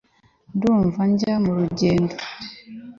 ndumva njya mu rugendo